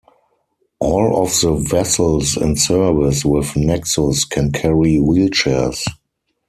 All of the vessels in service with Nexus can carry wheelchairs.